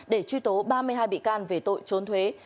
để truy tố ba mươi hai bị can về tội trốn thuế